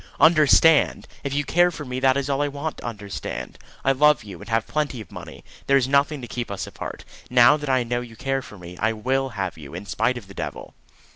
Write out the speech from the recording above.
"Understand! If you care for me, that is all I want to understand. I love you, and have plenty of money. There is nothing to keep us apart. Now that I know you care for me, I will have you, in spite of the devil."